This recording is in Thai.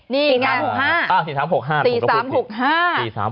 นี่๔๓๖๕